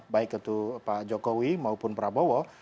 baik itu pak jokowi maupun prabowo